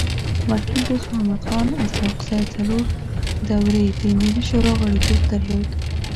وکيل دوست محمد خان اسحق زی څلور دوري د ملي شورا غړیتوب درلود.